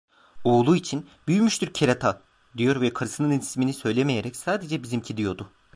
Oğlu için "Büyümüştür kerata…" diyor ve karısının ismini söylemeyerek sadece "bizimki" diyordu.